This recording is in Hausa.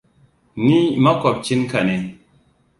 Ni makwabcin ka ne.